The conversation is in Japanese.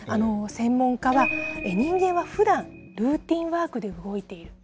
専門家は、人間はふだん、ルーティンワークで動いている。